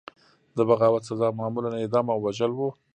د بغاوت سزا معمولا اعدام او وژل وو.